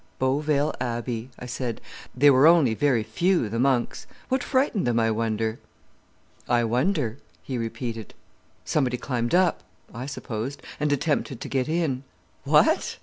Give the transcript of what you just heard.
"Beauvale Abbey," I said; "they were only very few, the monks. What frightened them, I wonder." "I wonder," he repeated. "Somebody climbed up," I supposed, "and attempted to get in." "What?"